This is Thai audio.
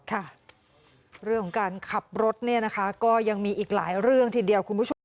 ค่ะเรื่องของการขับรถเนี่ยนะคะก็ยังมีอีกหลายเรื่องทีเดียวคุณผู้ชม